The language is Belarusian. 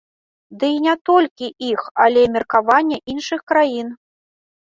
Ды і не толькі іх, але і меркавання іншых краін.